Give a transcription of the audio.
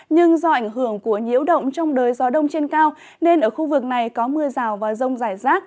nhưng do ảnh hưởng của nhiễu động trong đời gió đông trên cao nên ở khu vực này có mưa rào và rông rải rác